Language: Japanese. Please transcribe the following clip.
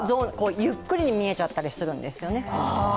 ゆっくりに見えちゃったりするんですよね。